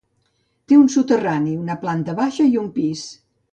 Té un soterrani, una planta baixa i un pis.